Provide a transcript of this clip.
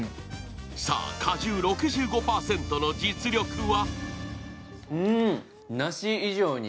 果汁６５％の実力は？